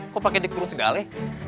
kok pakai di kurung segale